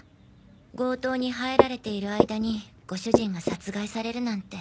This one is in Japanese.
強盗に入られている間にご主人が殺害されるなんて。